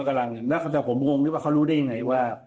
ผมกำลังนักคำถามผมโรงนี้ว่าเขารู้ได้ยังไงว่า